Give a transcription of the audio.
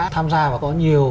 tham gia và có nhiều